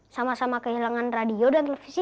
sama sama kehilangan radio dan televisi